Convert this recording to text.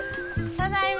ただいま。